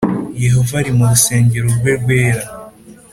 Yehova ari mu rusengero rwe rwera